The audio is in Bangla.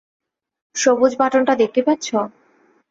সবুজ বাটনটা দেখতে পাচ্ছো?